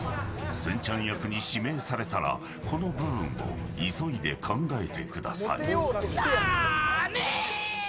せんちゃん役に指名されたらこの部分を急いで考えてください。